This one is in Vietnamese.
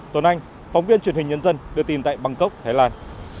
tuấn anh phóng viên truyền hình nhân dân được tìm tại bangkok thái lan